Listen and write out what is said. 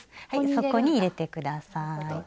そこに入れて下さい。